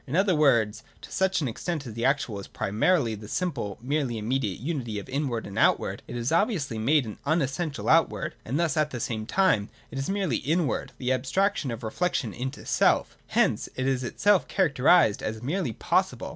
In other words, to such extent as the actual is primarily (§ 142) the simple merely immediate unity of Inward and Out ward, it is obviously made an unessential outward, and thus at the same time (§ 140) it is merely inward, the abstraction of reflection into self. Hence it is itself characterised as a merely possible.